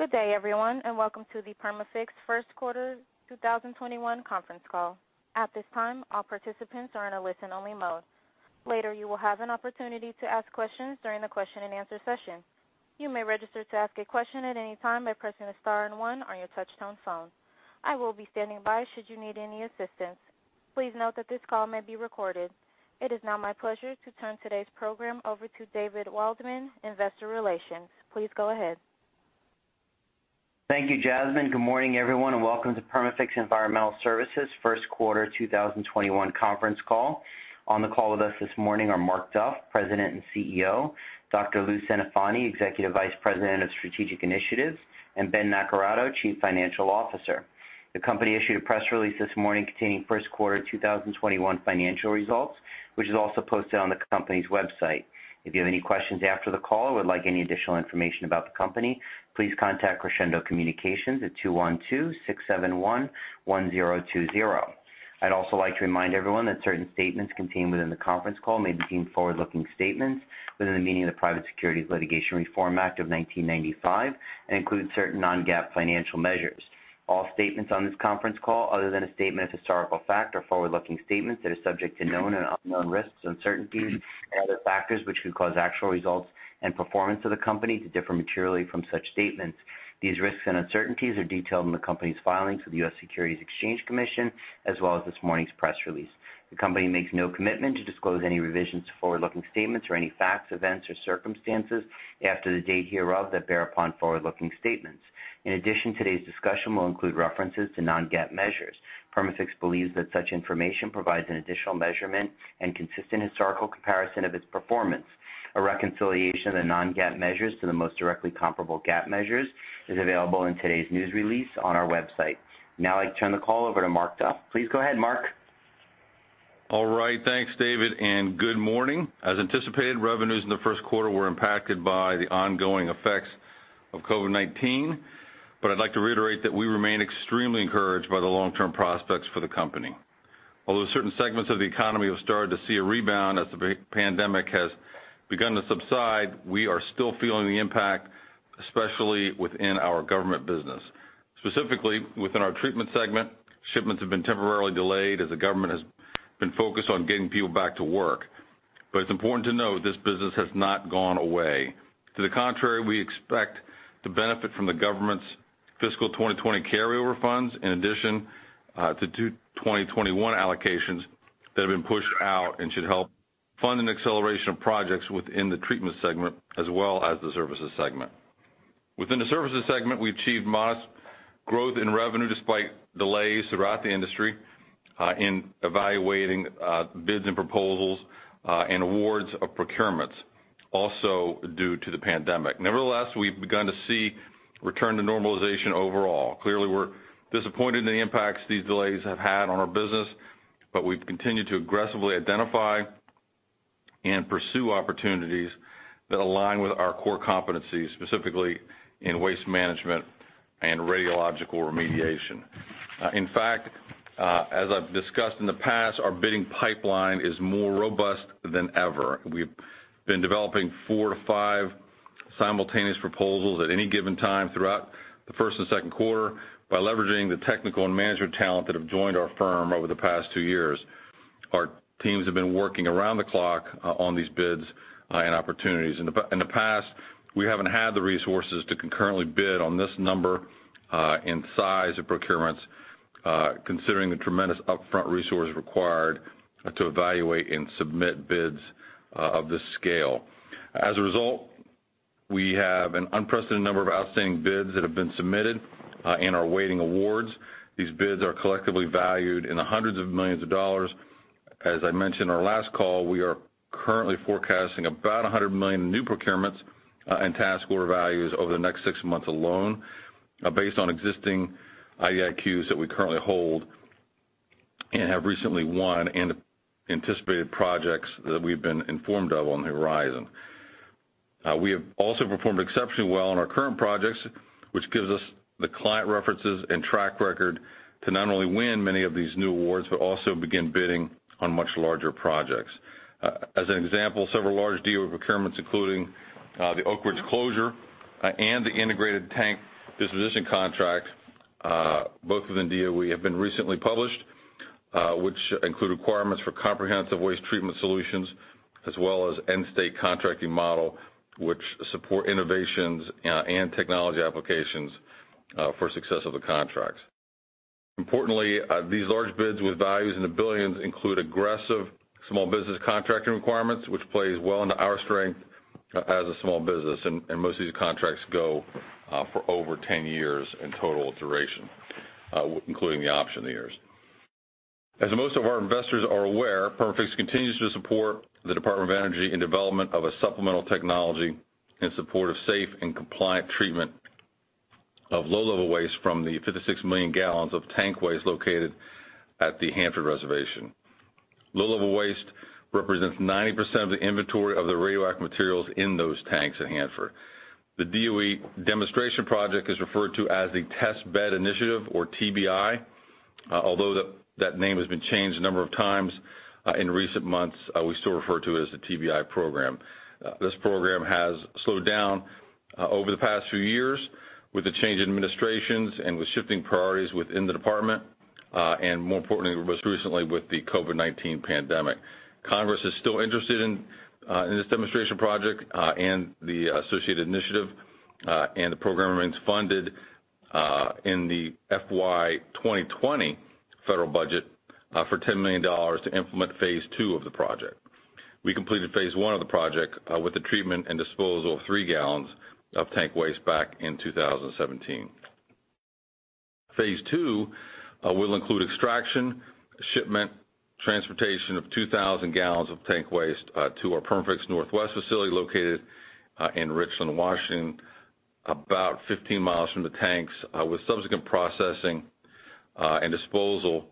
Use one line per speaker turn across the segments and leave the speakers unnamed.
Good day, everyone, and welcome to the Perma-Fix first quarter 2021 conference call. At this time, all participants are in a listen-only mode. Later, you will have an opportunity to ask questions during the question-and-answer session. Please note that this call may be recorded. It is now my pleasure to turn today's program over to David Waldman, Investor Relations. Please go ahead.
Thank you, Jasmine. Good morning, everyone, welcome to Perma-Fix Environmental Services' first quarter 2021 conference call. On the call with us this morning are Mark Duff, President and CEO, Dr. Louis Centofanti, Executive Vice President of Strategic Initiatives, and Ben Naccarato, Chief Financial Officer. The company issued a press release this morning containing first quarter 2021 financial results, which is also posted on the company's website. If you have any questions after the call or would like any additional information about the company, please contact Crescendo Communications at 212-671-1020. I'd also like to remind everyone that certain statements contained within the conference call may be deemed forward-looking statements within the meaning of the Private Securities Litigation Reform Act of 1995 and include certain non-GAAP financial measures. All statements on this conference call, other than a statement of historical fact, are forward-looking statements that are subject to known and unknown risks, uncertainties, and other factors, which could cause actual results and performance of the company to differ materially from such statements. These risks and uncertainties are detailed in the company's filings with the U.S. Securities and Exchange Commission, as well as this morning's press release. The company makes no commitment to disclose any revisions to forward-looking statements or any facts, events, or circumstances after the date hereof that bear upon forward-looking statements. In addition, today's discussion will include references to non-GAAP measures. Perma-Fix believes that such information provides an additional measurement and consistent historical comparison of its performance. A reconciliation of the non-GAAP measures to the most directly comparable GAAP measures is available in today's news release on our website. Now I'd like to turn the call over to Mark Duff. Please go ahead, Mark.
All right. Thanks, David, good morning. As anticipated, revenues in the first quarter were impacted by the ongoing effects of COVID-19. I'd like to reiterate that we remain extremely encouraged by the long-term prospects for the company. Although certain segments of the economy have started to see a rebound as the pandemic has begun to subside, we are still feeling the impact, especially within our government business. Specifically, within our treatment segment, shipments have been temporarily delayed as the government has been focused on getting people back to work. It's important to know this business has not gone away. To the contrary, we expect to benefit from the government's fiscal 2020 carryover funds, in addition to 2021 allocations that have been pushed out and should help fund an acceleration of projects within the treatment segment as well as the services segment. Within the services segment, we achieved modest growth in revenue despite delays throughout the industry, in evaluating bids and proposals, and awards of procurements also due to the pandemic. Nevertheless, we've begun to see return to normalization overall. Clearly, we're disappointed in the impacts these delays have had on our business, but we've continued to aggressively identify and pursue opportunities that align with our core competencies, specifically in waste management and radiological remediation. In fact, as I've discussed in the past, our bidding pipeline is more robust than ever. We've been developing four to five simultaneous proposals at any given time throughout the first and second quarter by leveraging the technical and management talent that have joined our firm over the past two years. Our teams have been working around the clock on these bids and opportunities. In the past, we haven't had the resources to concurrently bid on this number and size of procurements, considering the tremendous upfront resource required to evaluate and submit bids of this scale. As a result, we have an unprecedented number of outstanding bids that have been submitted and are awaiting awards. These bids are collectively valued in the hundreds of millions of dollars. As I mentioned in our last call, we are currently forecasting about $100 million in new procurements and task order values over the next six months alone, based on existing IDIQs that we currently hold and have recently won, and anticipated projects that we've been informed of on the horizon. We have also performed exceptionally well on our current projects, which gives us the client references and track record to not only win many of these new awards but also begin bidding on much larger projects. As an example, several large DOE procurements, including the Oak Ridge closure and the Integrated Tank Disposition Contract, both within DOE, have been recently published, which include requirements for comprehensive waste treatment solutions as well as End State Contracting Model, which support innovations and technology applications for success of the contracts. Importantly, these large bids with values in the billions include aggressive small business contracting requirements, which plays well into our strength as a small business. Most of these contracts go for over 10 years in total duration, including the option years. As most of our investors are aware, Perma-Fix continues to support the Department of Energy in development of a supplemental technology in support of safe and compliant treatment of low-level waste from the 56 million gal of tank waste located at the Hanford reservation. Low-level waste represents 90% of the inventory of the radioactive materials in those tanks at Hanford. The DOE demonstration project is referred to as the Test Bed Initiative, or TBI. Although that name has been changed a number of times, in recent months, we still refer to it as the TBI program. This program has slowed down over the past few years with the change in administrations and with shifting priorities within the department, and more importantly, most recently with the COVID-19 pandemic. Congress is still interested in this demonstration project and the associated initiative, and the program remains funded in the FY 2020 federal budget for $10 million to implement phase II of the project. We completed phase I of the project with the treatment and disposal of 3 gal of tank waste back in 2017. Phase two will include extraction, shipment, transportation of 2,000 gal of tank waste to our Perma-Fix Northwest facility located in Richland, Washington, about 15 mi from the tanks, with subsequent processing and disposal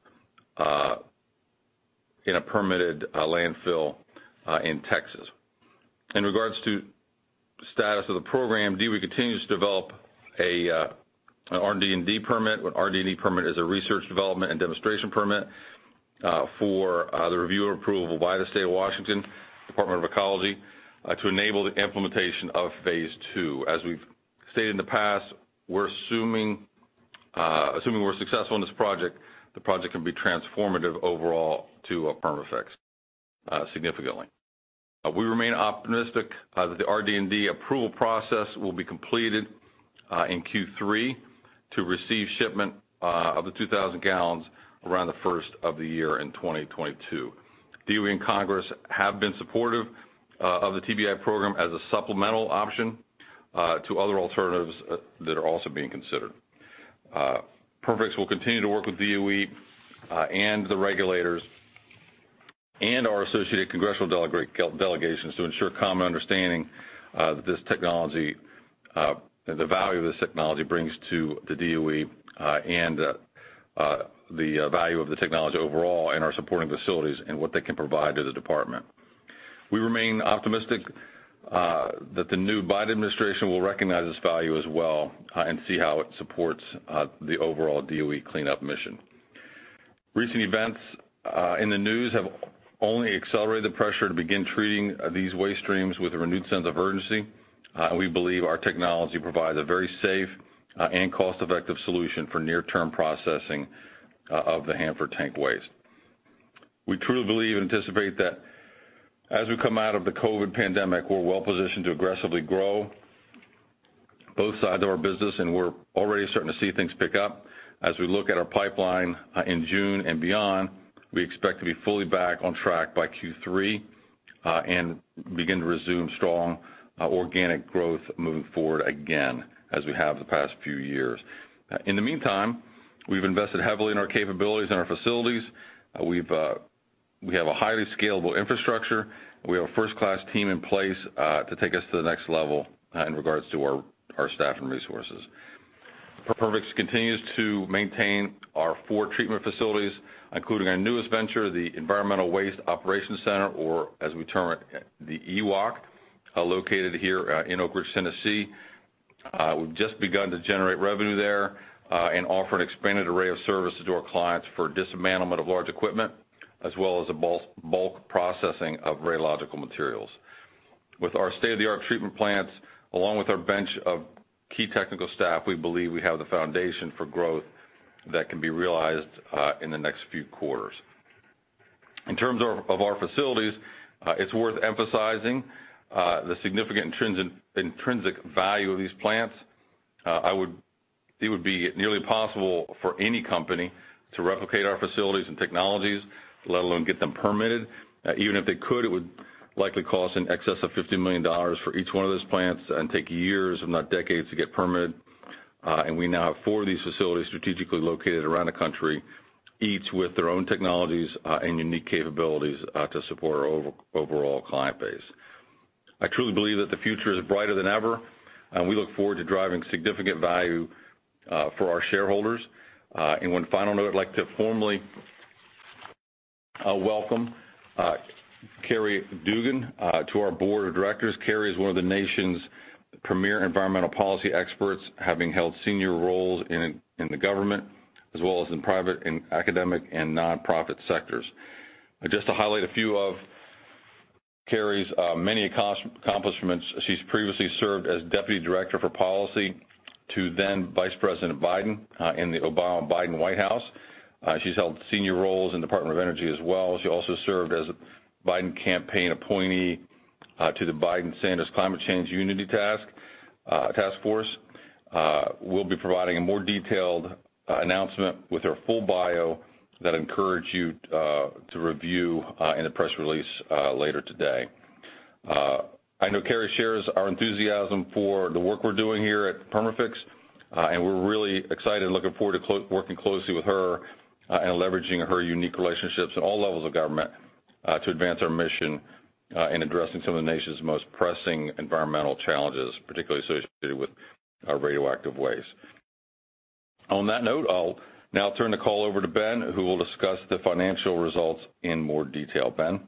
in a permitted landfill in Texas. In regards to status of the program, DOE continues to develop a RD&D permit. An RD&D permit is a Research, Development, and Demonstration permit for the review or approval by the Washington State Department of Ecology to enable the implementation of phase two. As we've stated in the past, assuming we're successful in this project, the project can be transformative overall to Perma-Fix significantly. We remain optimistic that the RD&D approval process will be completed in Q3 to receive shipment of the 2,000 gal around the first of the year in 2022. DOE and Congress have been supportive of the TBI program as a supplemental option to other alternatives that are also being considered. Perma-Fix will continue to work with DOE and the regulators and our associated congressional delegations to ensure common understanding that this technology, and the value this technology brings to the DOE, and the value of the technology overall in our supporting facilities and what they can provide to the department. We remain optimistic that the new Biden administration will recognize this value as well and see how it supports the overall DOE cleanup mission. Recent events in the news have only accelerated the pressure to begin treating these waste streams with a renewed sense of urgency. We believe our technology provides a very safe and cost-effective solution for near-term processing of the Hanford tank waste. We truly believe and anticipate that as we come out of the COVID pandemic, we're well positioned to aggressively grow both sides of our business, and we're already starting to see things pick up. As we look at our pipeline in June and beyond, we expect to be fully back on track by Q3, and begin to resume strong organic growth moving forward again, as we have the past few years. In the meantime, we've invested heavily in our capabilities and our facilities. We have a highly scalable infrastructure. We have a first-class team in place to take us to the next level in regards to our staff and resources. Perma-Fix continues to maintain our four treatment facilities, including our newest venture, the Environmental Waste Operations Center, or as we term it, the EWOC, located here in Oak Ridge, Tennessee. We've just begun to generate revenue there and offer an expanded array of services to our clients for dismantlement of large equipment, as well as the bulk processing of radiological materials. With our state-of-the-art treatment plants, along with our bench of key technical staff, we believe we have the foundation for growth that can be realized in the next few quarters. In terms of our facilities, it's worth emphasizing the significant intrinsic value of these plants. It would be nearly impossible for any company to replicate our facilities and technologies, let alone get them permitted. Even if they could, it would likely cost in excess of $50 million for each one of those plants and take years, if not decades, to get permitted. We now have four of these facilities strategically located around the country, each with their own technologies and unique capabilities to support our overall client base. I truly believe that the future is brighter than ever. We look forward to driving significant value for our shareholders. One final note, I'd like to formally welcome Kerry Duggan to our board of directors. Kerry is one of the nation's premier environmental policy experts, having held senior roles in the government as well as in private and academic and non-profit sectors. Just to highlight a few of Kerry's many accomplishments, she's previously served as Deputy Director for Policy to then Vice President Biden in the Obama-Biden White House. She's held senior roles in Department of Energy as well. She also served as a Biden campaign appointee to the Biden-Sanders Climate Change Unity Task Force. We'll be providing a more detailed announcement with her full bio that I encourage you to review in a press release later today. I know Kerry shares our enthusiasm for the work we're doing here at Perma-Fix, and we're really excited and looking forward to working closely with her and leveraging her unique relationships at all levels of government to advance our mission in addressing some of the nation's most pressing environmental challenges, particularly associated with our radioactive waste. On that note, I'll now turn the call over to Ben, who will discuss the financial results in more detail. Ben?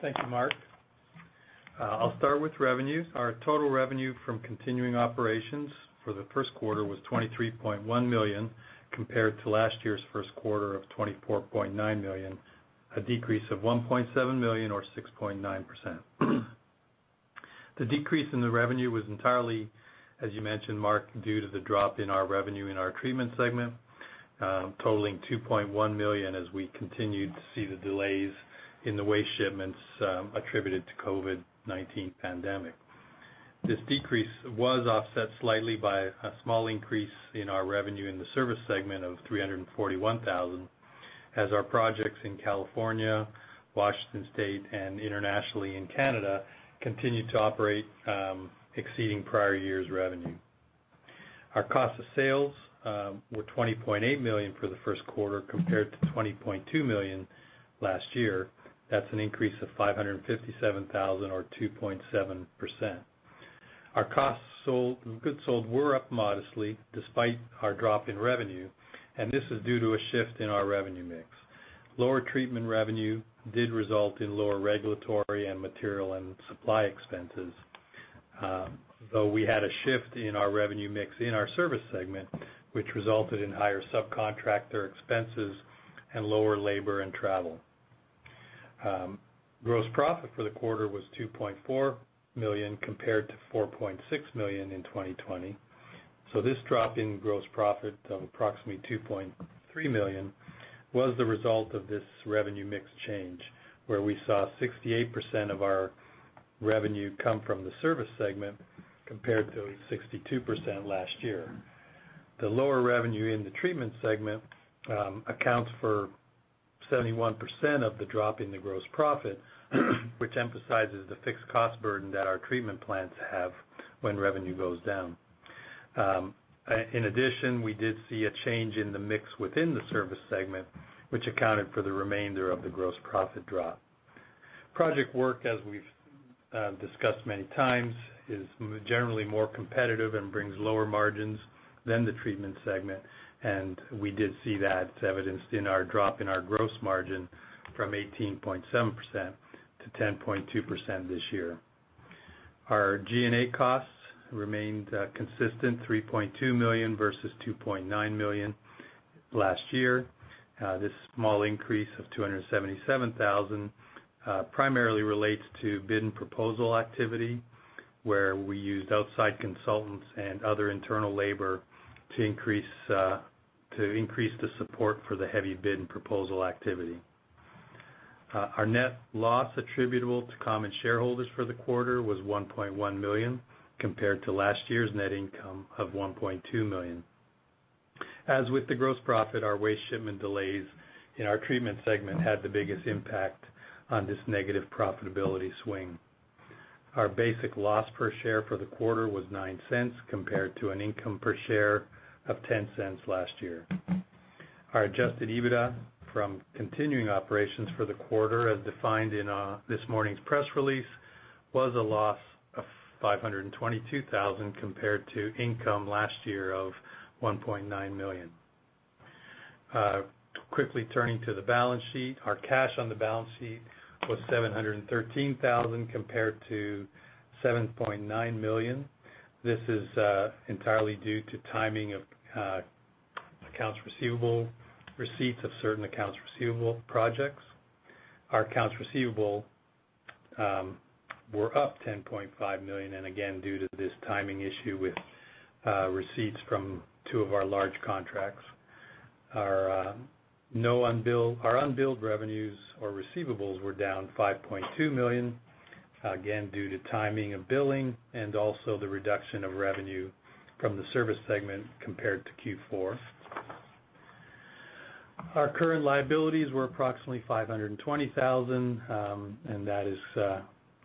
Thank you, Mark. I'll start with revenues. Our total revenue from continuing operations for the first quarter was $23.1 million, compared to last year's first quarter of $24.9 million, a decrease of $1.7 million or 6.9%. The decrease in the revenue was entirely, as you mentioned, Mark, due to the drop in our revenue in our treatment segment, totaling $2.1 million as we continued to see the delays in the waste shipments attributed to COVID-19 pandemic. This decrease was offset slightly by a small increase in our revenue in the service segment of $341,000 as our projects in California, Washington State, and internationally in Canada continued to operate, exceeding prior year's revenue. Our cost of sales were $20.8 million for the first quarter compared to $20.2 million last year. That's an increase of $557,000, or 2.7%. Our costs of goods sold were up modestly despite our drop in revenue. This is due to a shift in our revenue mix. Lower treatment revenue did result in lower regulatory and material and supply expenses, though we had a shift in our revenue mix in our service segment, which resulted in higher subcontractor expenses and lower labor and travel. Gross profit for the quarter was $2.4 million compared to $4.6 million in 2020. This drop in gross profit of approximately $2.3 million was the result of this revenue mix change, where we saw 68% of our revenue come from the service segment compared to 62% last year. The lower revenue in the treatment segment accounts for 71% of the drop in the gross profit, which emphasizes the fixed cost burden that our treatment plants have when revenue goes down. In addition, we did see a change in the mix within the service segment, which accounted for the remainder of the gross profit drop. Project work, as we've discussed many times, is generally more competitive and brings lower margins than the treatment segment, and we did see that evidenced in our drop in our gross margin from 18.7%-10.2% this year. Our G&A costs remained consistent, $3.2 million versus $2.9 million last year. This small increase of $277,000 primarily relates to bid and proposal activity, where we used outside consultants and other internal labor to increase the support for the heavy bid and proposal activity. Our net loss attributable to common shareholders for the quarter was $1.1 million, compared to last year's net income of $1.2 million. As with the gross profit, our waste shipment delays in our treatment segment had the biggest impact on this negative profitability swing. Our basic loss per share for the quarter was $0.09 compared to an income per share of $0.10 last year. Our adjusted EBITDA from continuing operations for the quarter, as defined in this morning's press release, was a loss of $522,000 compared to income last year of $1.9 million. Quickly turning to the balance sheet. Our cash on the balance sheet was $713,000 compared to $7.9 million. This is entirely due to timing of receipts of certain accounts receivable projects. Our accounts receivable were up $10.5 million, and again, due to this timing issue with receipts from two of our large contracts. Our unbilled revenues or receivables were down $5.2 million, again, due to timing and billing and also the reduction of revenue from the service segment compared to Q4. Our current liabilities were approximately $520,000, and that is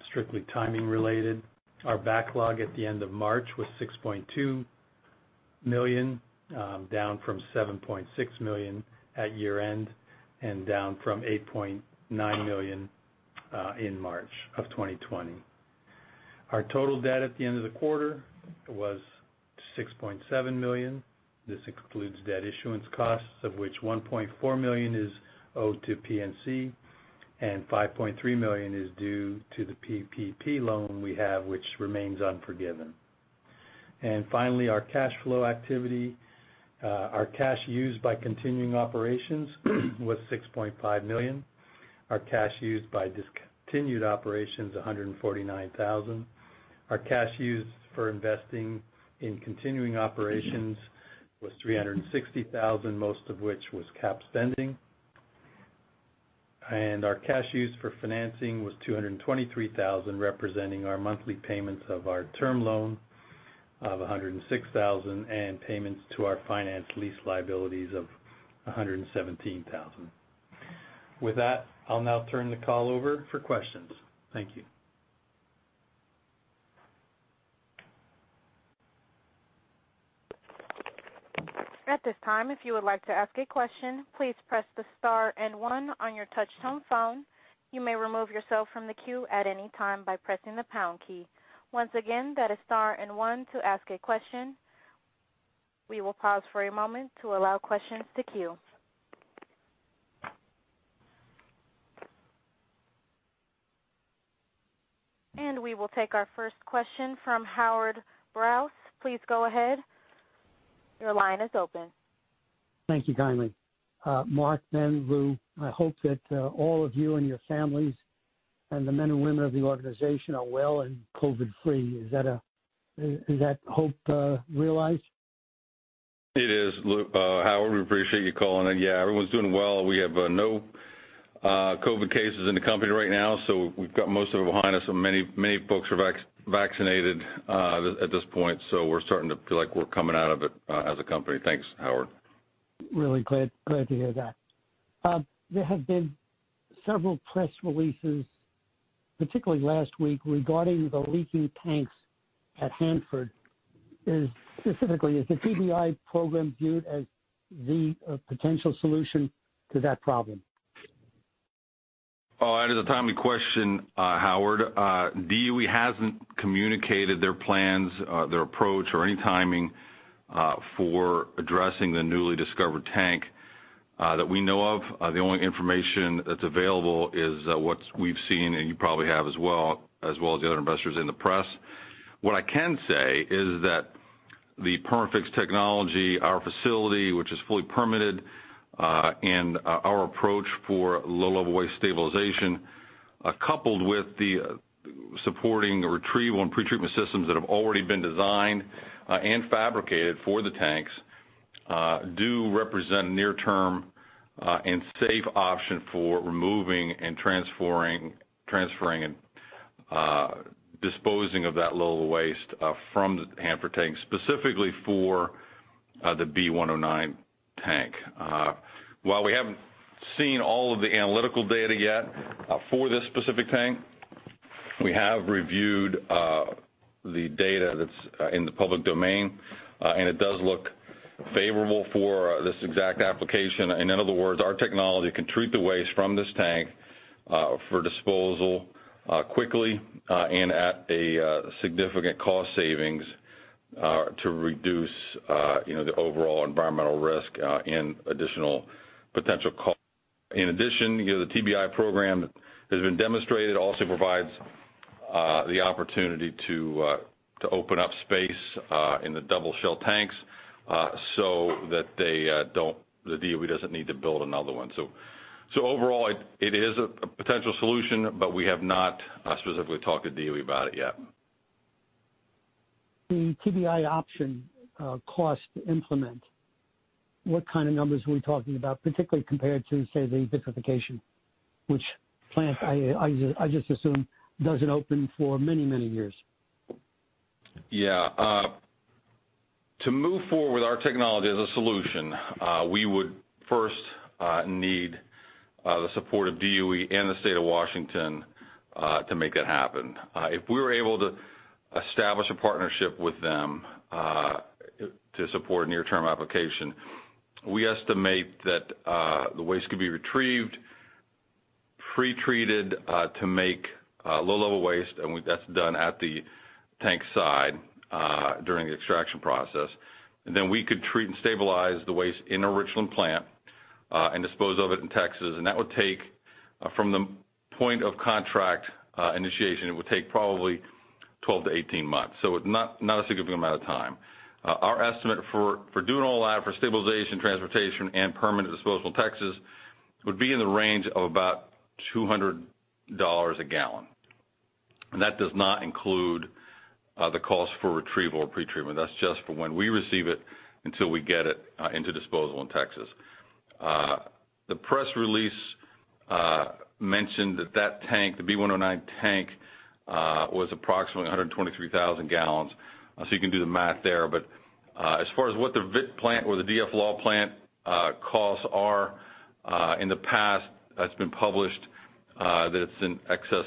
strictly timing related. Our backlog at the end of March was $6.2 million, down from $7.6 million at year-end, and down from $8.9 million in March of 2020. Our total debt at the end of the quarter was $6.7 million. This includes debt issuance costs, of which $1.4 million is owed to PNC and $5.3 million is due to the PPP loan we have, which remains unforgiven. Finally, our cash flow activity. Our cash used by continuing operations was $6.5 million. Our cash used by discontinued operations was $149,000. Our cash used for investing in continuing operations was $360,000, most of which was cap spending. Our cash used for financing was $223,000, representing our monthly payments of our term loan of $106,000 and payments to our finance lease liabilities of $117,000. With that, I'll now turn the call over for questions. Thank you.
At this time if you would like to ask a question, please press the star and one on your touch-phone. You may remove yourself from the queue at anytime by pressing the pound key. Once again, that is star and one to ask a question. We will pause for a moment to allow questions to queue. We will take our first question from Howard Brous. Please go ahead. Your line is open.
Thank you kindly. Mark, then Lou, I hope that all of you and your families, and the men and women of the organization are well and COVID free. Is that hope realized?
It is. Howard, we appreciate you calling in. Yeah, everyone's doing well. We have no COVID cases in the company right now, so we've got most of it behind us, and many folks are vaccinated at this point, so we're starting to feel like we're coming out of it as a company. Thanks, Howard.
Really glad to hear that. There have been several press releases, particularly last week, regarding the leaking tanks at Hanford. Specifically, is the TBI program viewed as the potential solution to that problem?
Oh, that is a timely question, Howard. DOE hasn't communicated their plans, their approach, or any timing for addressing the newly discovered tank. That we know of, the only information that 's available is what we've seen, and you probably have as well, as well as the other investors in the press. What I can say is that the Perma-Fix technology, our facility, which is fully permitted, and our approach for low-level waste stabilization, coupled with the supporting retrieval and pretreatment systems that have already been designed and fabricated for the tanks, do represent near-term and safe option for removing and transferring and disposing of that low-level waste from the Hanford tank, specifically for the B109 tank. While we haven't seen all of the analytical data yet for this specific tank, we have reviewed the data that's in the public domain, and it does look favorable for this exact application. In other words, our technology can treat the waste from this tank for disposal quickly and at a significant cost savings, to reduce the overall environmental risk and additional potential cost. In addition, the TBI program has been demonstrated, also provides the opportunity to open up space in the double shell tanks, so that the DOE doesn't need to build another one. Overall, it is a potential solution, but we have not specifically talked to DOE about it yet.
The TBI option cost to implement, what kind of numbers are we talking about, particularly compared to, say, the vitrification, which plant I just assume doesn't open for many, many years?
Yeah. To move forward with our technology as a solution, we would first need the support of DOE and the State of Washington to make that happen. If we were able to establish a partnership with them to support a near-term application, we estimate that the waste could be retrieved, pretreated to make low-level waste, and that's done at the tank side during the extraction process. We could treat and stabilize the waste in our Richland plant and dispose of it in Texas, and that would take, from the point of contract initiation, it would take probably 12-18 months. Not a significant amount of time. Our estimate for doing all that, for stabilization, transportation, and permanent disposal in Texas, would be in the range of about $200 a gallon. That does not include the cost for retrieval or pretreatment. That's just for when we receive it until we get it into disposal in Texas. The press release mentioned that that tank, the B109 tank, was approximately 123,000 gal, you can do the math there. As far as what the Vit Plant or the DFLAW plant costs are, in the past, that's been published, that it's in excess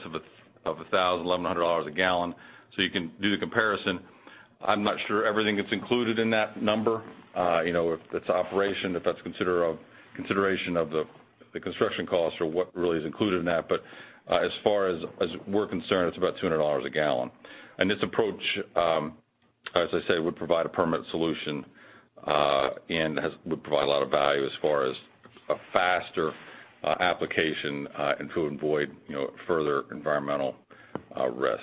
of $1,100 a gallon, you can do the comparison. I'm not sure everything that's included in that number. If it's operation, if that's consideration of the construction costs or what really is included in that. As far as we're concerned, it's about $200 a gallon. This approach, as I say, would provide a permanent solution, and would provide a lot of value as far as a faster application and to avoid further environmental risk.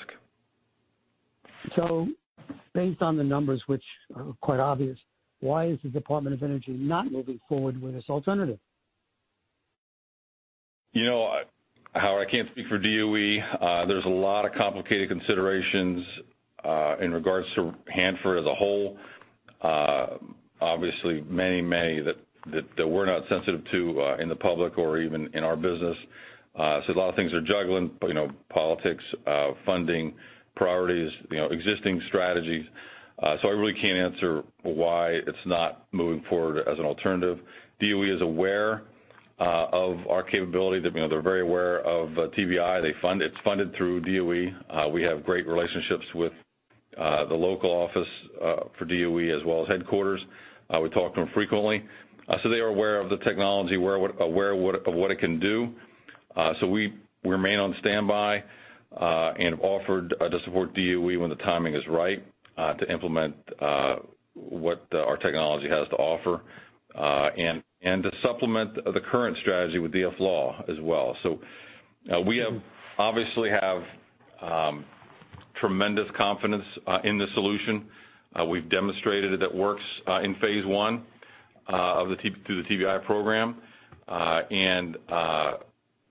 Based on the numbers, which are quite obvious, why is the Department of Energy not moving forward with this alternative?
Howard, I can't speak for DOE. There's a lot of complicated considerations in regards to Hanford as a whole. Obviously, many that we're not sensitive to in the public or even in our business. A lot of things they're juggling, politics, funding, priorities, existing strategies. I really can't answer why it's not moving forward as an alternative. DOE is aware of our capability. They're very aware of TBI. It's funded through DOE. We have great relationships with the local office for DOE as well as headquarters. We talk to them frequently. They are aware of the technology, aware of what it can do. We remain on standby, and offered to support DOE when the timing is right to implement what our technology has to offer, and to supplement the current strategy with DFLAW as well. We obviously have tremendous confidence in the solution. We've demonstrated that it works in phase one through the TBI program.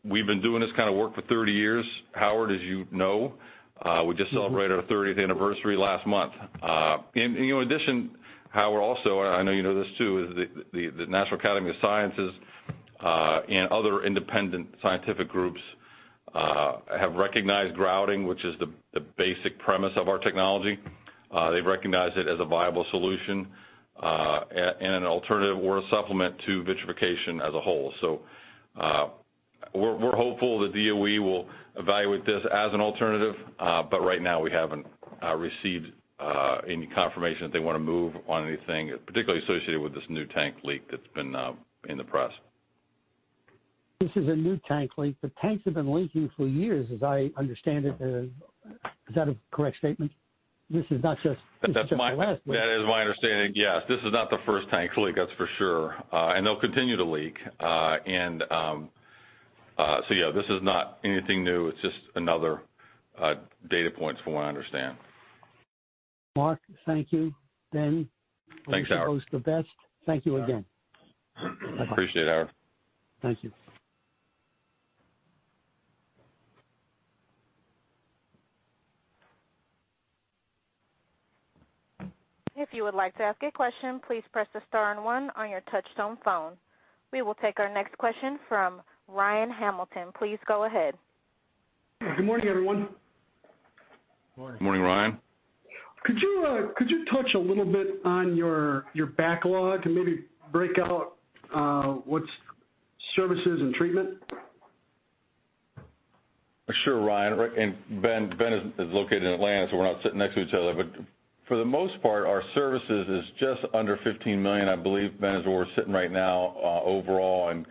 We've been doing this kind of work for 30 years, Howard, as you know. We just celebrated our 30th anniversary last month. In addition, Howard, also, I know you know this too, is the National Academy of Sciences, and other independent scientific groups have recognized grouting, which is the basic premise of our technology. They've recognized it as a viable solution, and an alternative or a supplement to vitrification as a whole. We're hopeful that DOE will evaluate this as an alternative. Right now we haven't received any confirmation that they want to move on anything, particularly associated with this new tank leak that's been in the press.
This is a new tank leak. The tanks have been leaking for years, as I understand it. Is that a correct statement? This is not just the last leak.
That is my understanding. Yes. This is not the first tank leak, that is for sure. They'll continue to leak. Yeah, this is not anything new. It's just another data point from what I understand.
Mark, thank you.
Thanks, Howard.
I wish you guys the best. Thank you again. Bye-bye.
Appreciate it, Howard.
Thank you.
If you would like to ask a question, please press the star and one on your touchtone phone. We will take our next question from Ryan Hamilton. Please go ahead.
Good morning, everyone.
Morning.
Morning, Ryan.
Could you touch a little bit on your backlog and maybe break out what's services and treatment?
Sure, Ryan. Ben is located in Atlanta, so we're not sitting next to each other, but for the most part, our services is just under $15 million, I believe, Ben, is where we're sitting right now, overall, and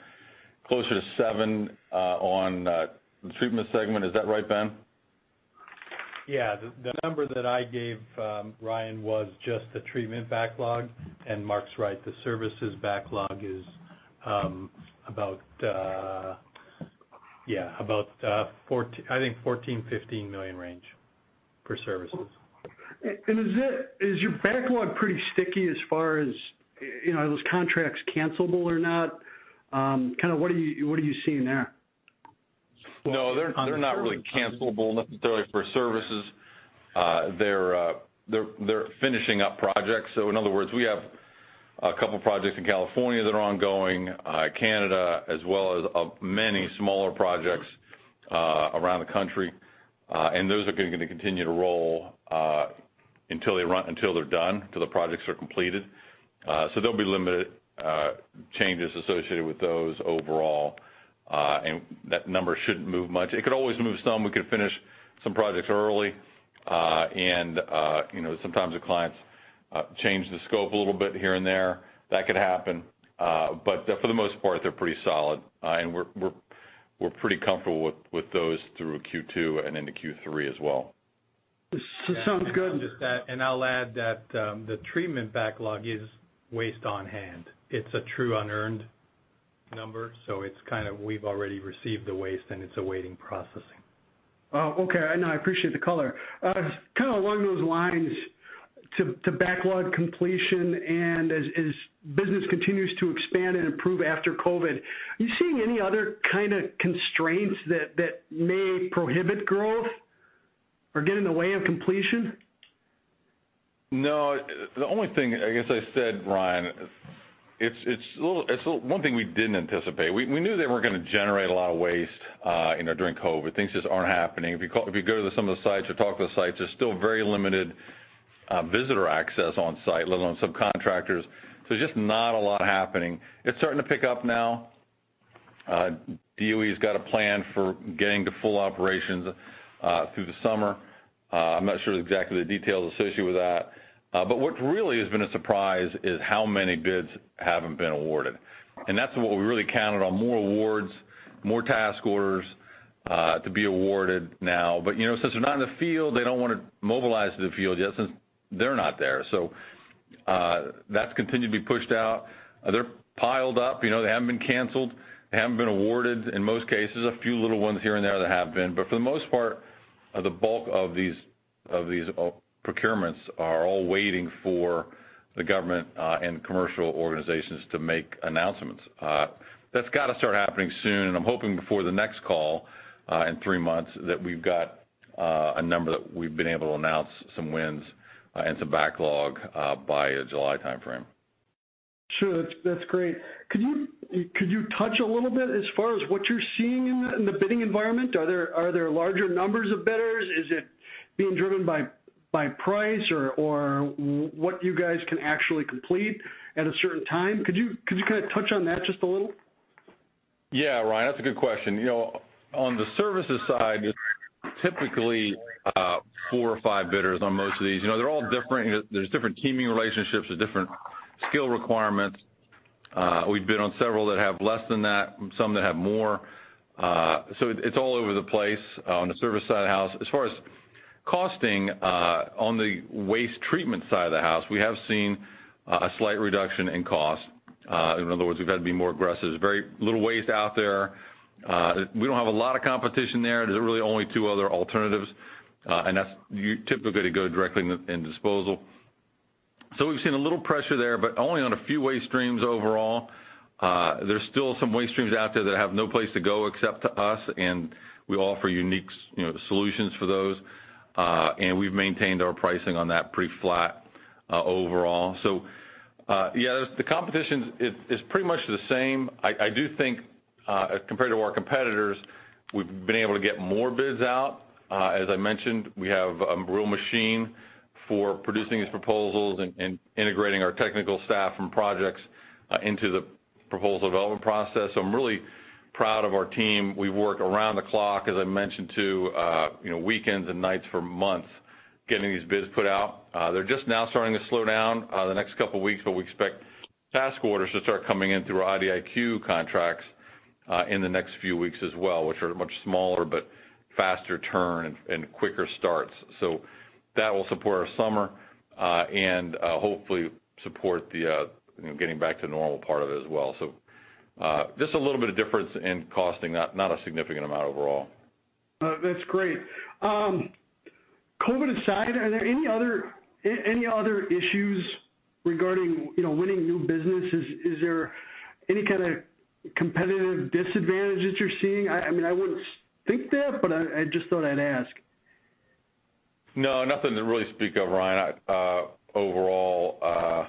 closer to $7 million on the treatment segment. Is that right, Ben?
Yeah. The number that I gave, Ryan, was just the treatment backlog, and Mark's right. The services backlog is about, I think $14 million-$15 million range for services.
Is your backlog pretty sticky as far as, are those contracts cancelable or not? What are you seeing there?
No, they're not really cancelable necessarily for services. They're finishing up projects. In other words, we have a couple projects in California that are ongoing, Canada, as well as many smaller projects around the country. Those are going to continue to roll until they're done, till the projects are completed. There'll be limited changes associated with those overall. That number shouldn't move much. It could always move some. We could finish some projects early. Sometimes the clients change the scope a little bit here and there. That could happen. For the most part, they're pretty solid. We're pretty comfortable with those through Q2 and into Q3 as well.
Sounds good.
I'll add that the treatment backlog is waste on hand. It's a true unearned number, so it's kind of, we've already received the waste and it's awaiting processing.
Oh, okay. No, I appreciate the color. Kind of along those lines to backlog completion and as business continues to expand and improve after COVID, are you seeing any other kind of constraints that may prohibit growth or get in the way of completion?
No. The only thing, I guess I said, Ryan, it's one thing we didn't anticipate. We knew they weren't going to generate a lot of waste during COVID. Things just aren't happening. If you go to some of the sites or talk to the sites, there's still very limited visitor access on site, let alone subcontractors. Just not a lot happening. It's starting to pick up now. DOE's got a plan for getting to full operations through the summer. I'm not sure exactly the details associated with that. What really has been a surprise is how many bids haven't been awarded. That's what we really counted on, more awards, more task orders to be awarded now. Since they're not in the field, they don't want to mobilize to the field yet since they're not there. That's continued to be pushed out. They're piled up. They haven't been canceled. They haven't been awarded in most cases, a few little ones here and there that have been. For the most part, the bulk of these procurements are all waiting for the government and commercial organizations to make announcements. That's got to start happening soon, and I'm hoping before the next call, in three months, that we've got a number that we've been able to announce some wins and some backlog by a July timeframe.
Sure. That's great. Could you touch a little bit as far as what you're seeing in the bidding environment? Are there larger numbers of bidders? Is it being driven by price or what you guys can actually complete at a certain time? Could you touch on that just a little?
Yeah, Ryan, that's a good question. On the services side, typically four or five bidders on most of these. They're all different. There's different teaming relationships, there's different skill requirements. We've bid on several that have less than that, some that have more. It's all over the place on the service side of the house. As far as costing on the waste treatment side of the house, we have seen a slight reduction in cost. In other words, we've had to be more aggressive. Very little waste out there. We don't have a lot of competition there. There's really only two other alternatives, and that's you typically go directly in disposal. We've seen a little pressure there, but only on a few waste streams overall. There's still some waste streams out there that have no place to go except to us, and we offer unique solutions for those. We've maintained our pricing on that pretty flat overall. Yes, the competition is pretty much the same. I do think compared to our competitors, we've been able to get more bids out. As I mentioned, we have a real machine for producing these proposals and integrating our technical staff from projects into the proposal development process. I'm really proud of our team. We work around the clock, as I mentioned too, weekends and nights for months, getting these bids put out. They're just now starting to slow down the next couple of weeks, but we expect task orders to start coming in through our IDIQ contracts in the next few weeks as well, which are much smaller but faster turn and quicker starts. That will support our summer, and hopefully support the getting back to normal part of it as well. Just a little bit of difference in costing, not a significant amount overall.
That's great. COVID aside, are there any other issues regarding winning new business? Is there any kind of competitive disadvantage that you're seeing? I wouldn't think that, but I just thought I'd ask.
No, nothing to really speak of, Ryan. Overall, I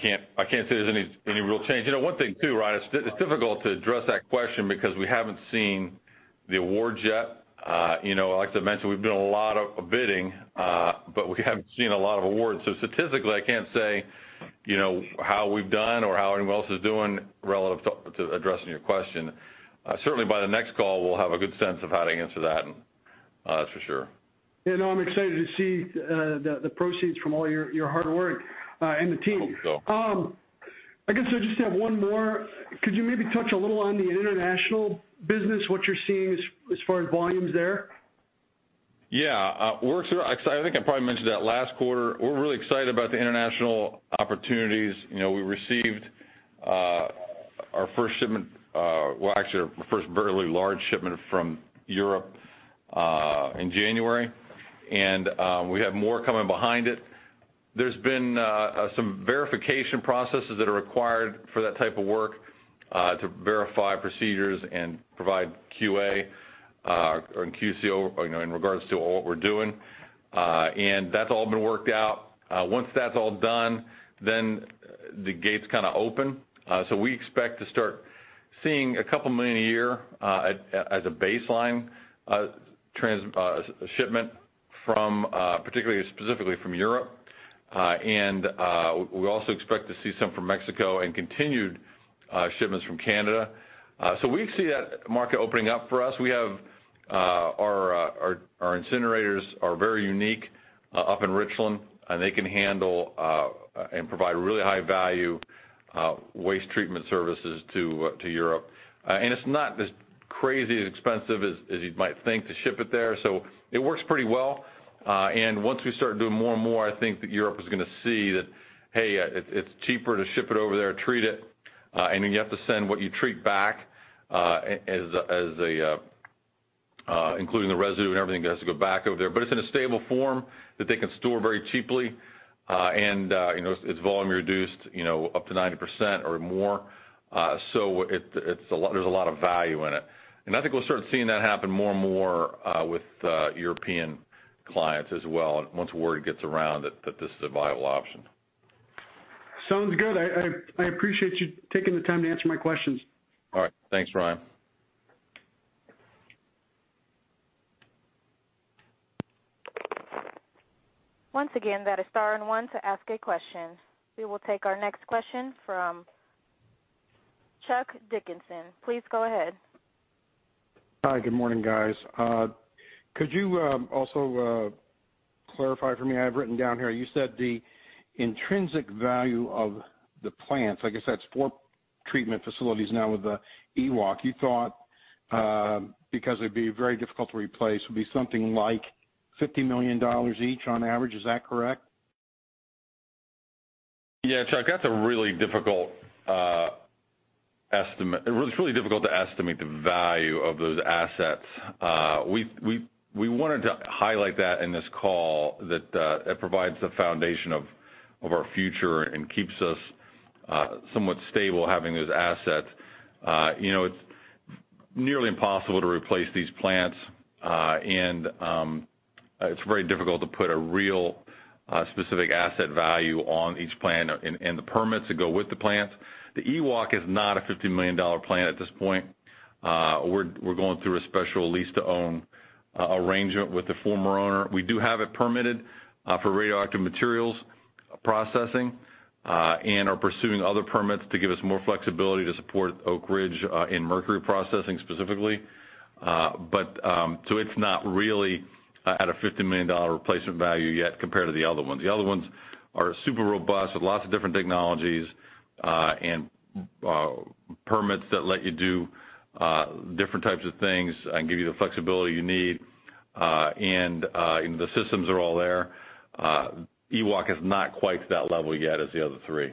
can't say there's any real change. One thing too, Ryan, it's difficult to address that question because we haven't seen the awards yet. Like I mentioned, we've done a lot of bidding, but we haven't seen a lot of awards. Statistically, I can't say how we've done or how anyone else is doing relative to addressing your question. Certainly by the next call, we'll have a good sense of how to answer that's for sure.
No, I'm excited to see the proceeds from all your hard work and the team.
I hope so.
I guess I just have one more. Could you maybe touch a little on the international business, what you're seeing as far as volumes there?
Yeah. I think I probably mentioned that last quarter. We're really excited about the international opportunities. We received our first shipment, well, actually our first very large shipment from Europe, in January. We have more coming behind it. There's been some verification processes that are required for that type of work, to verify procedures and provide QA, or QC in regards to what we're doing. That's all been worked out. Once that's all done, then the gates kind of open. We expect to start seeing a couple million a year, as a baseline shipment specifically from Europe. We also expect to see some from Mexico and continued shipments from Canada. We see that market opening up for us. Our incinerators are very unique up in Richland, and they can handle and provide really high-value waste treatment services to Europe. It's not as crazy expensive as you might think to ship it there. It works pretty well. Once we start doing more and more, I think that Europe is going to see that, hey, it's cheaper to ship it over there, treat it, and then you have to send what you treat back including the residue and everything that has to go back over there. It's in a stable form that they can store very cheaply, and its volume reduced up to 90% or more. There's a lot of value in it, and I think we'll start seeing that happen more and more with European clients as well once word gets around that this is a viable option.
Sounds good. I appreciate you taking the time to answer my questions.
All right. Thanks, Ryan.
Once again, that is star and one to ask a question. We will take our next question from Chuck Dickinson. Please go ahead.
Hi. Good morning, guys. Could you also clarify for me, I have written down here, you said the intrinsic value of the plants, I guess that's four treatment facilities now with the EWOC. You thought because it'd be very difficult to replace, would be something like $50 million each on average. Is that correct?
Yeah, Chuck, that's a really difficult estimate. It's really difficult to estimate the value of those assets. We wanted to highlight that in this call that it provides the foundation of our future and keeps us somewhat stable having those assets. It's nearly impossible to replace these plants, and it's very difficult to put a real specific asset value on each plant and the permits that go with the plants. The EWOC is not a $50 million plant at this point. We're going through a special lease-to-own arrangement with the former owner. We do have it permitted for radioactive materials processing, and are pursuing other permits to give us more flexibility to support Oak Ridge in mercury processing specifically. It's not really at a $50 million replacement value yet compared to the other ones. The other ones are super robust with lots of different technologies and permits that let you do different types of things and give you the flexibility you need, and the systems are all there. EWOC is not quite to that level yet as the other three.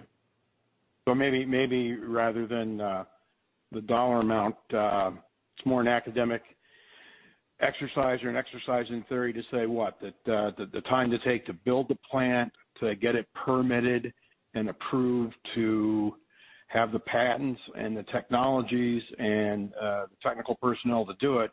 Maybe rather than the dollar amount, it's more an academic exercise or an exercise in theory to say, what? That the time to take to build the plant, to get it permitted and approved, to have the patents and the technologies and the technical personnel to do it,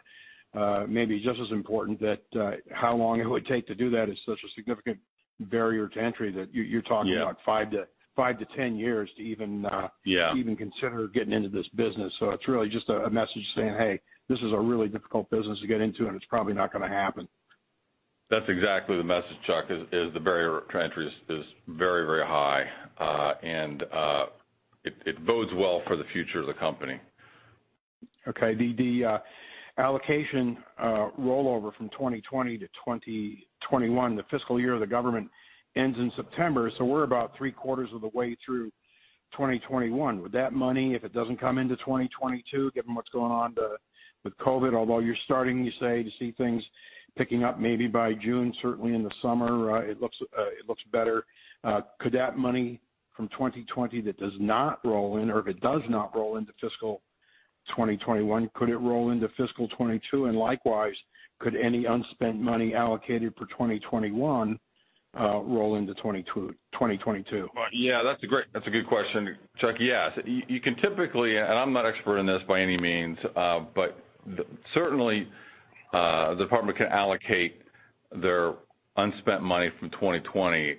may be just as important that how long it would take to do that is such a significant barrier to entry that you're talking about five to 10 years to even.
Yeah
consider getting into this business. It's really just a message saying, "Hey, this is a really difficult business to get into, and it's probably not going to happen.
That's exactly the message, Chuck, is the barrier to entry is very high. It bodes well for the future of the company.
Okay. The allocation rollover from 2020-2021, the fiscal year of the government ends in September, so we're about three-quarters of the way through 2021. Would that money, if it doesn't come into 2022, given what's going on with COVID-19, although you're starting, you say, to see things picking up maybe by June, certainly in the summer, it looks better. Could that money from 2020 that does not roll in, or if it does not roll into fiscal 2021, could it roll into fiscal 2022? Likewise, could any unspent money allocated for 2021 roll into 2022?
Yeah, that's a good question, Chuck. Yes, you can typically, and I'm not expert in this by any means, but certainly, the department can allocate their unspent money from 2020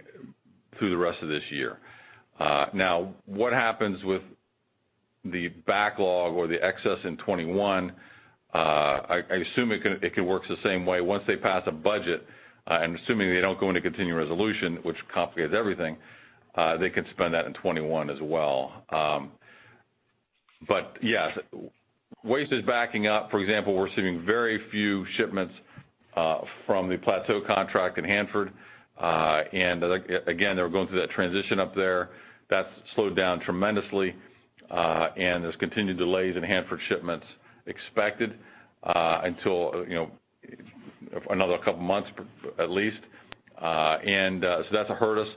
through the rest of this year. What happens with the backlog or the excess in 2021, I assume it could works the same way. Once they pass a budget, and assuming they don't go into continuing resolution, which complicates everything, they could spend that in 2021 as well. Yeah, waste is backing up. For example, we're seeing very few shipments from the Plateau contract in Hanford. Again, they're going through that transition up there. That's slowed down tremendously, and there's continued delays in Hanford shipments expected until another couple of months at least. That's hurt us.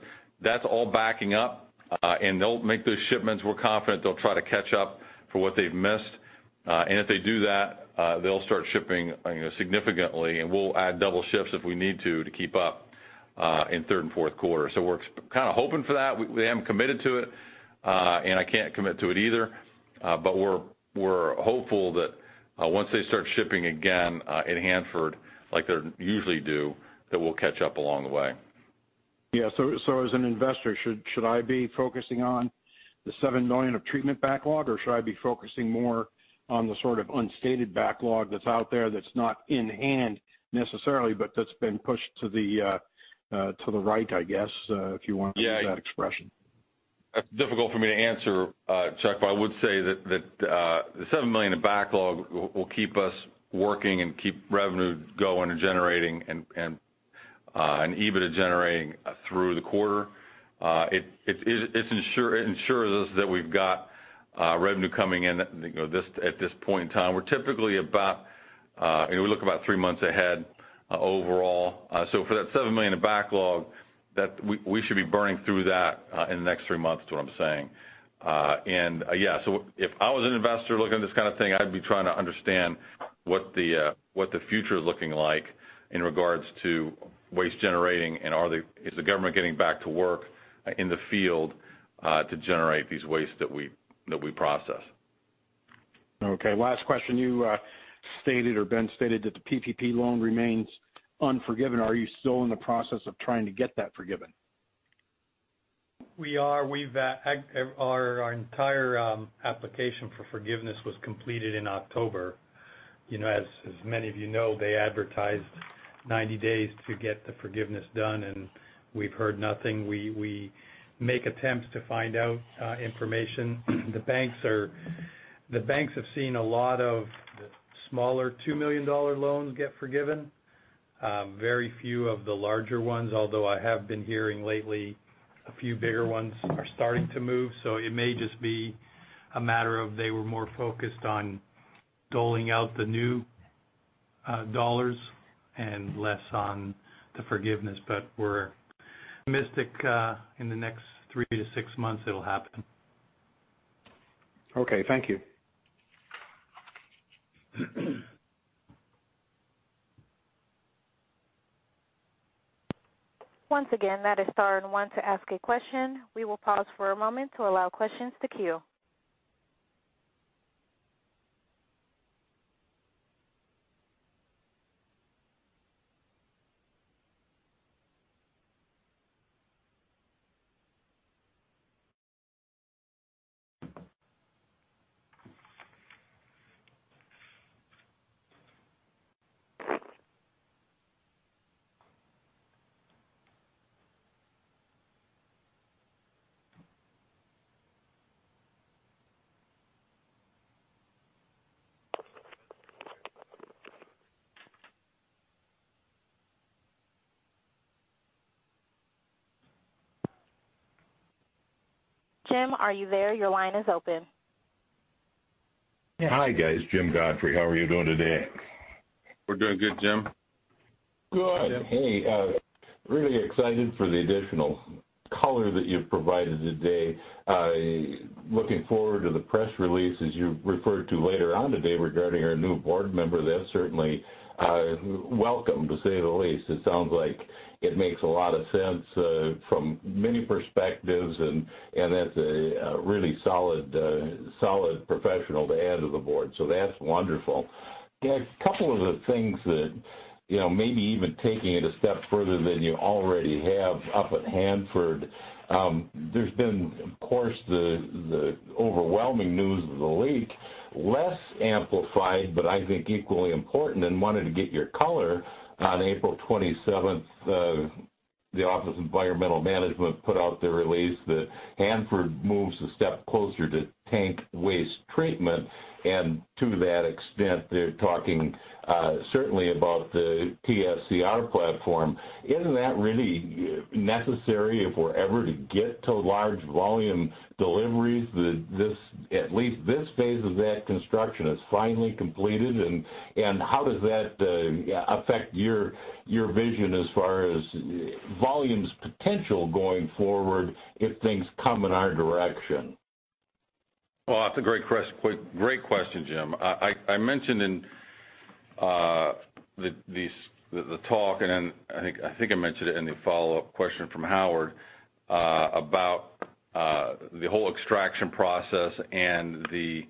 That's all backing up, and they'll make those shipments. We're confident they'll try to catch up for what they've missed. If they do that, they'll start shipping significantly, and we'll add double shifts if we need to keep up in third and fourth quarter. We're kind of hoping for that. They haven't committed to it, and I can't commit to it either. We're hopeful that once they start shipping again in Hanford, like they usually do, that we'll catch up along the way.
Yeah. As an investor, should I be focusing on the $7 million of treatment backlog, or should I be focusing more on the sort of unstated backlog that's out there that's not in hand necessarily, but that's been pushed to the right, I guess, if you want to use that expression?
That's difficult for me to answer, Chuck, but I would say that the $7 million of backlog will keep us working and keep revenue going and generating and EBITDA generating through the quarter. It ensures us that we've got revenue coming in at this point in time. We look about three months ahead overall. For that $7 million of backlog, we should be burning through that in the next three months is what I'm saying. Yeah. If I was an investor looking at this kind of thing, I'd be trying to understand what the future is looking like in regards to waste generating and is the government getting back to work in the field to generate these wastes that we process.
Okay. Last question. You stated, or Ben stated that the PPP loan remains unforgiven. Are you still in the process of trying to get that forgiven?
We are. Our entire application for forgiveness was completed in October. As many of you know, they advertised 90 days to get the forgiveness done, and we've heard nothing. We make attempts to find out information. The banks have seen a lot of the smaller $2 million loans get forgiven. Very few of the larger ones, although I have been hearing lately a few bigger ones are starting to move. It may just be a matter of they were more focused on doling out the new dollars and less on the forgiveness. We're optimistic in the next three to six months it'll happen.
Okay. Thank you.
Jim, are you there?
Hi, guys. Jim Godfrey. How are you doing today?
We're doing good, Jim.
Good. Hey, really excited for the additional color that you've provided today. Looking forward to the press release, as you referred to later on today regarding our new board member. That's certainly welcome, to say the least. It sounds like it makes a lot of sense from many perspectives, and that's a really solid professional to add to the board. That's wonderful. A couple of the things that, maybe even taking it a step further than you already have up at Hanford. There's been, of course, the overwhelming news of the leak. Less amplified, but I think equally important and wanted to get your color. On April 27th, the Office of Environmental Management put out their release that Hanford moves a step closer to tank waste treatment, and to that extent, they're talking certainly about the TSCR platform. Isn't that really necessary if we're ever to get to large volume deliveries that at least this phase of that construction is finally completed? How does that affect your vision as far as volumes potential going forward if things come in our direction?
Well, that's a great question, Jim. I mentioned in the talk, then I think I mentioned it in the follow-up question from Howard, about the whole extraction process and the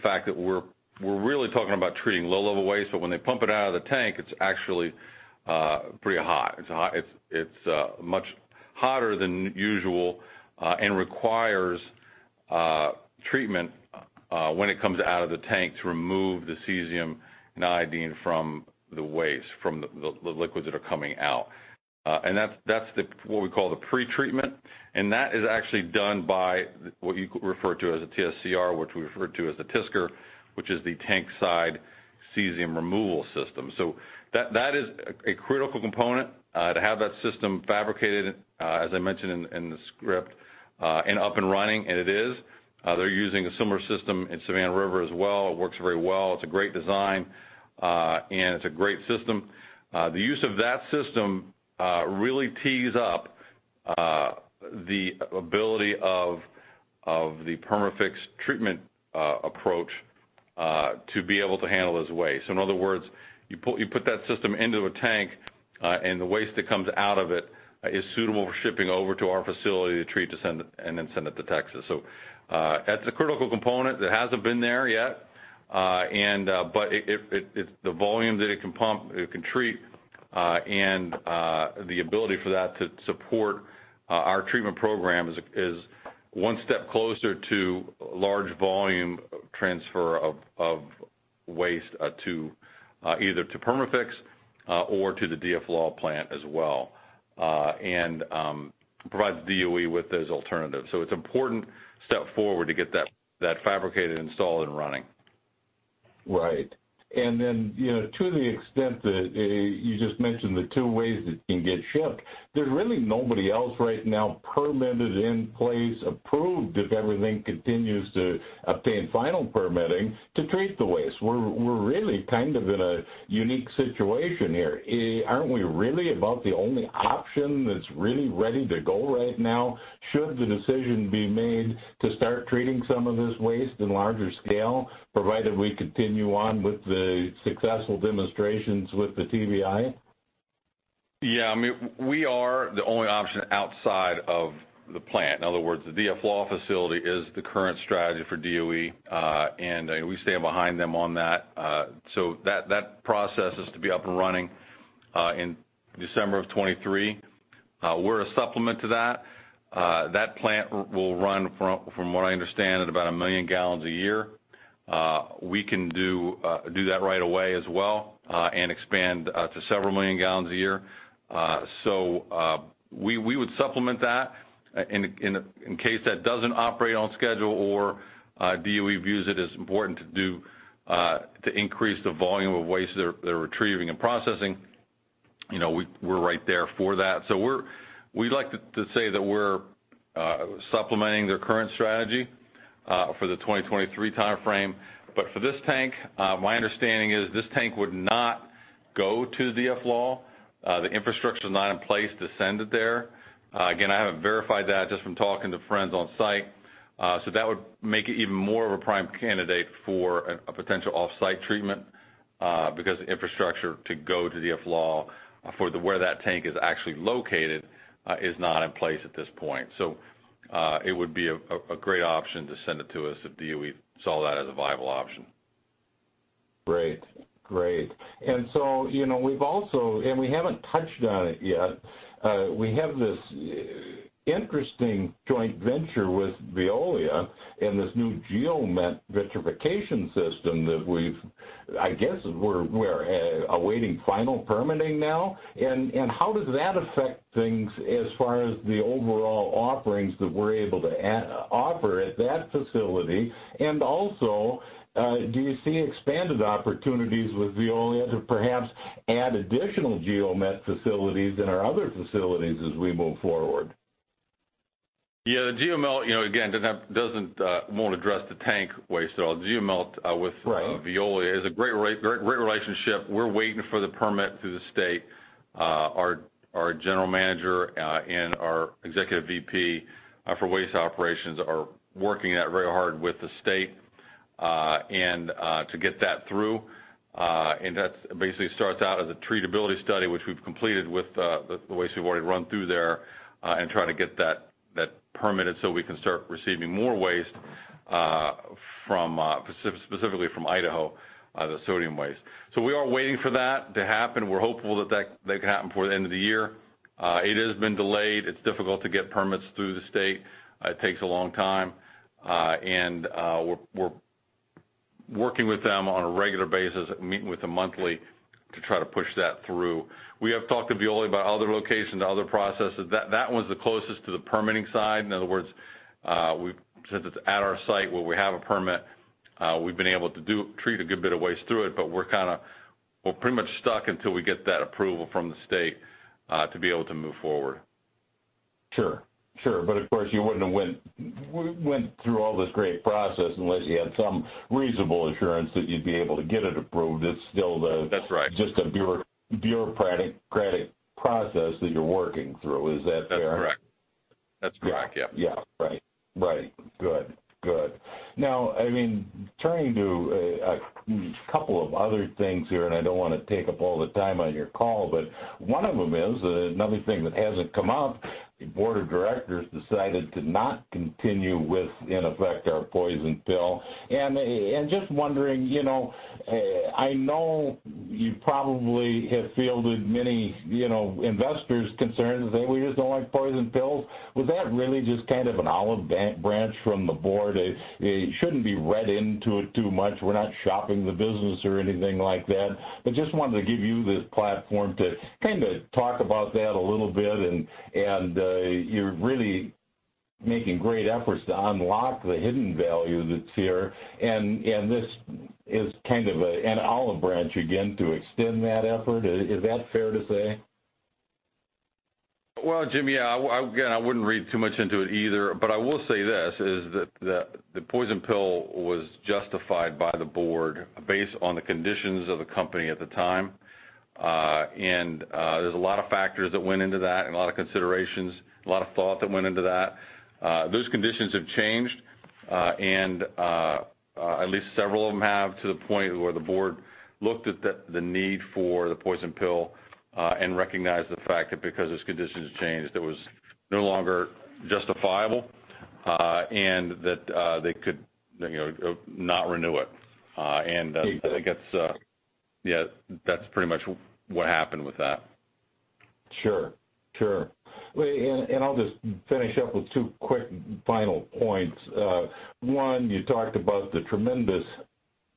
fact that we're really talking about treating low-level waste, but when they pump it out of the tank, it's actually pretty hot. It's much hotter than usual and requires treatment when it comes out of the tank to remove the cesium and iodine from the waste, from the liquids that are coming out. That's what we call the pretreatment, and that is actually done by what you refer to as a TSCR, which we refer to as a TISCR, which is the Tank-Side Cesium Removal system. That is a critical component to have that system fabricated, as I mentioned in the script, and up and running, and it is. They're using a similar system in Savannah River as well. It works very well. It's a great design. It's a great system. The use of that system really tees up the ability of the Perma-Fix treatment approach to be able to handle this waste. In other words, you put that system into a tank, and the waste that comes out of it is suitable for shipping over to our facility to treat to send, and then send it to Texas. That's a critical component that hasn't been there yet. The volume that it can pump, it can treat, and the ability for that to support our treatment program is one step closer to large volume transfer of waste either to Perma-Fix or to the DFLAW plant as well, and provides DOE with those alternatives. It's an important step forward to get that fabricated, installed, and running.
Right. To the extent that you just mentioned, the two ways that it can get shipped, there's really nobody else right now permitted in place, approved, if everything continues to obtain final permitting, to treat the waste. We're really kind of in a unique situation here. Aren't we really about the only option that's really ready to go right now? Should the decision be made to start treating some of this waste in larger scale, provided we continue on with the successful demonstrations with the TBI?
Yeah, we are the only option outside of the plant. In other words, the DFLAW facility is the current strategy for DOE, and we stand behind them on that. That process is to be up and running in December of 2023. We're a supplement to that. That plant will run, from what I understand, at about a million gallons a year. We can do that right away as well, and expand to several million gallons a year. We would supplement that in case that doesn't operate on schedule or DOE views it as important to do to increase the volume of waste they're retrieving and processing. We're right there for that. We like to say that we're supplementing their current strategy for the 2023 timeframe. For this tank, my understanding is this tank would not go to DFLAW. The infrastructure's not in place to send it there. Again, I haven't verified that, just from talking to friends on site. That would make it even more of a prime candidate for a potential offsite treatment, because the infrastructure to go to DFLAW for where that tank is actually located is not in place at this point. It would be a great option to send it to us if DOE saw that as a viable option.
Great. We've also, and we haven't touched on it yet, we have this interesting joint venture with Veolia and this new GeoMelt vitrification system that I guess we're awaiting final permitting now. How does that affect things as far as the overall offerings that we're able to offer at that facility? Also, do you see expanded opportunities with Veolia to perhaps add additional GeoMelt facilities in our other facilities as we move forward?
Yeah. The GeoMelt, again, won't address the tank waste at all. GeoMelt with Veolia is a great relationship. We're waiting for the permit through the state. Our general manager, and our executive VP for waste operations are working that very hard with the state to get that through. That basically starts out as a treatability study, which we've completed with the waste we've already run through there, and try to get that permitted so we can start receiving more waste, specifically from Idaho, the sodium waste. We are waiting for that to happen. We're hopeful that that can happen before the end of the year. It has been delayed. It's difficult to get permits through the state. It takes a long time. We're working with them on a regular basis, meeting with them monthly to try to push that through. We have talked to Veolia about other locations, other processes. That one's the closest to the permitting side. In other words, since it's at our site where we have a permit, we've been able to treat a good bit of waste through it, but we're pretty much stuck until we get that approval from the state, to be able to move forward.
Sure. Of course, you wouldn't have went through all this great process unless you had some reasonable assurance that you'd be able to get it approved.
That's right.
just a bureaucratic process that you're working through. Is that fair?
That's correct. Yeah.
Yeah. Right. Good. Turning to a couple of other things here, I don't want to take up all the time on your call, but one of them is, another thing that hasn't come up, the board of directors decided to not continue with, in effect, our poison pill. Just wondering, I know you probably have fielded many investors' concerns, saying, "We just don't like poison pills." Was that really just kind of an olive branch from the board? It shouldn't be read into it too much. We're not shopping the business or anything like that, but just wanted to give you this platform to kind of talk about that a little bit, and you're really making great efforts to unlock the hidden value that's here. This is kind of an olive branch again to extend that effort. Is that fair to say?
Well, Jim, yeah, again, I wouldn't read too much into it either, but I will say this, is that the poison pill was justified by the board based on the conditions of the company at the time. There's a lot of factors that went into that, and a lot of considerations, a lot of thought that went into that. Those conditions have changed, at least several of them have, to the point where the board looked at the need for the poison pill, and recognized the fact that because those conditions changed, it was no longer justifiable, and that they could not renew it. I think that's pretty much what happened with that.
Sure. I'll just finish up with two quick final points. One, you talked about the tremendous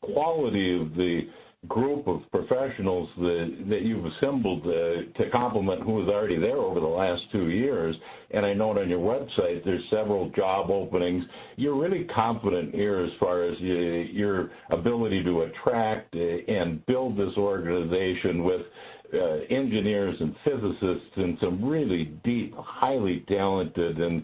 quality of the group of professionals that you've assembled to complement who was already there over the last two years. I know it on your website, there's several job openings. You're really confident here as far as your ability to attract and build this organization with engineers and physicists and some really deep, highly talented, and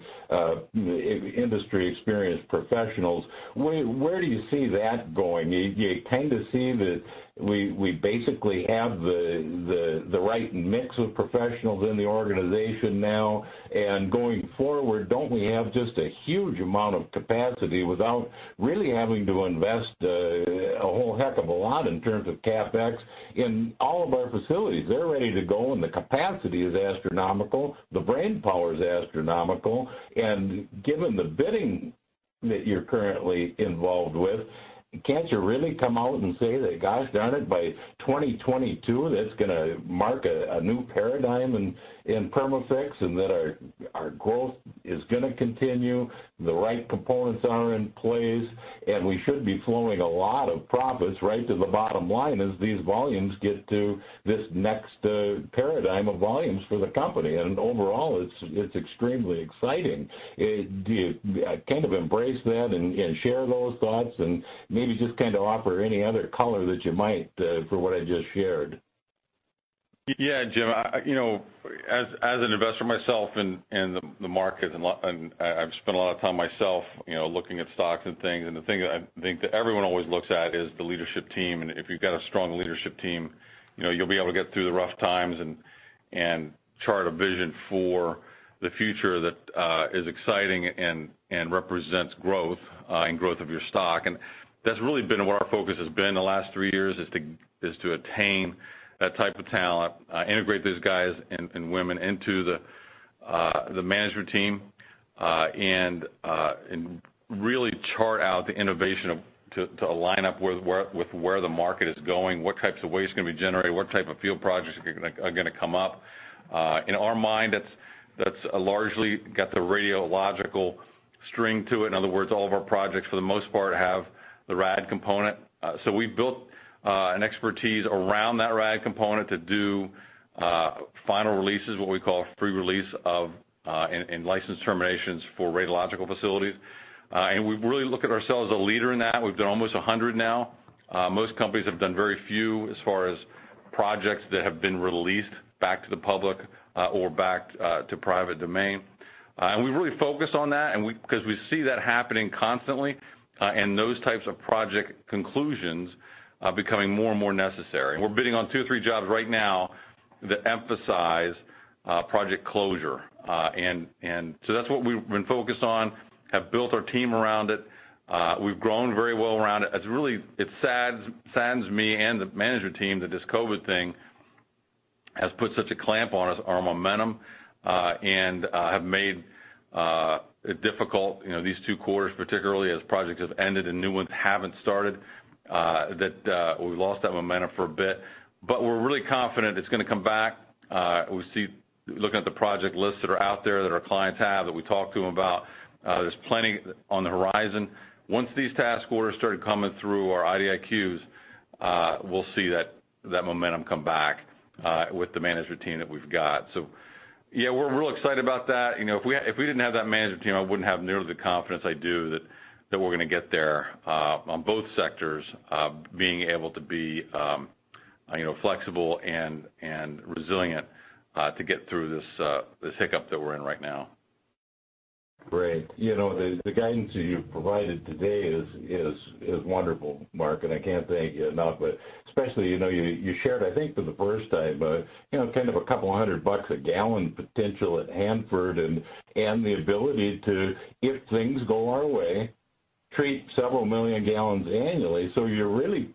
industry experienced professionals. Where do you see that going? You kind of see that we basically have the right mix of professionals in the organization now, going forward, don't we have just a huge amount of capacity without really having to invest a whole heck of a lot in terms of CapEx in all of our facilities? They're ready to go, the capacity is astronomical. The brain power is astronomical. Given the bidding that you're currently involved with, can't you really come out and say that, gosh darn it, by 2022, that's going to mark a new paradigm in Perma-Fix, and that our growth is going to continue, the right components are in place, and we should be flowing a lot of profits right to the bottom line as these volumes get to this next paradigm of volumes for the company. Overall, it's extremely exciting. Do you kind of embrace that and share those thoughts, and maybe just kind of offer any other color that you might for what I just shared?
Yeah, Jim, as an investor myself in the market, I've spent a lot of time myself looking at stocks and things, the thing that I think that everyone always looks at is the leadership team, if you've got a strong leadership team, you'll be able to get through the rough times and chart a vision for the future that is exciting and represents growth of your stock. That's really been what our focus has been the last three years, is to attain that type of talent, integrate those guys and women into the management team and really chart out the innovation to align up with where the market is going, what types of waste are going to be generated, what type of field projects are going to come up. In our mind, that's largely got the radiological string to it. In other words, all of our projects, for the most part, have the rad component. We built an expertise around that rad component to do final releases, what we call free release, and license terminations for radiological facilities. We really look at ourselves as a leader in that. We've done almost 100 now. Most companies have done very few as far as projects that have been released back to the public or back to private domain. We really focus on that because we see that happening constantly and those types of project conclusions becoming more and more necessary. We're bidding on two or three jobs right now that emphasize project closure. That's what we've been focused on, have built our team around it. We've grown very well around it. It saddens me and the management team that this COVID thing has put such a clamp on our momentum and have made it difficult, these two quarters particularly, as projects have ended and new ones haven't started, that we lost that momentum for a bit. We're really confident it's going to come back. Looking at the project lists that are out there that our clients have, that we talk to them about, there's plenty on the horizon. Once these task orders started coming through our IDIQs, we'll see that momentum come back with the management team that we've got. Yeah, we're real excited about that. If we didn't have that management team, I wouldn't have nearly the confidence I do that we're going to get there on both sectors, being able to be flexible and resilient to get through this hiccup that we're in right now.
Great. The guidance that you've provided today is wonderful, Mark, and I can't thank you enough. Especially, you shared, I think for the first time, kind of a couple of hundred dollars a gallon potential at Hanford and the ability to, if things go our way, treat several million gallons annually. You're really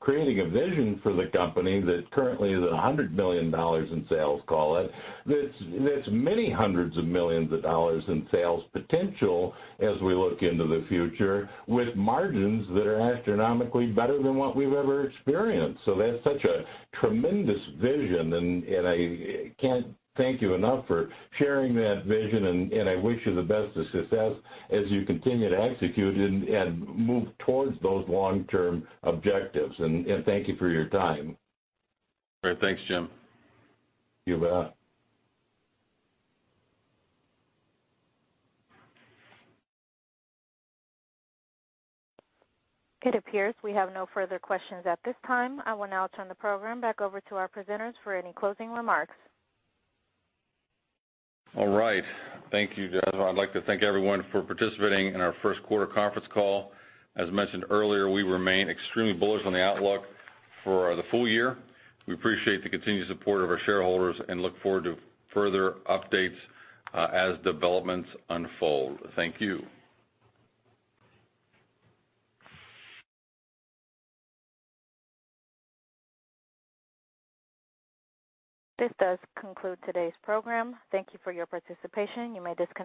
creating a vision for the company that currently is $100 million in sales, call it. That's many hundreds of millions of dollars in sales potential as we look into the future with margins that are astronomically better than what we've ever experienced. That's such a tremendous vision, and I can't thank you enough for sharing that vision, and I wish you the best of success as you continue to execute and move towards those long-term objectives. Thank you for your time.
All right. Thanks, Jim.
You bet.
It appears we have no further questions at this time. I will now turn the program back over to our presenters for any closing remarks.
All right. Thank you. I'd like to thank everyone for participating in our first quarter conference call. As mentioned earlier, we remain extremely bullish on the outlook for the full year. We appreciate the continued support of our shareholders and look forward to further updates as developments unfold. Thank you.
This does conclude today's program. Thank you for your participation. You may disconnect.